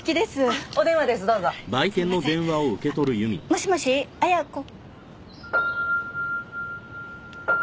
もしもし亜矢子。